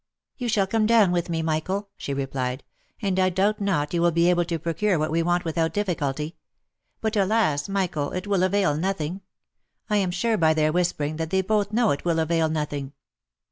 " You shall come down with me, Michael," she replied, " and I doubt not you will be able to procure what we want without difficulty. But alas ! Michael, it will avail nothing— I am sure by their whisper ing, that they both know it will avail nothing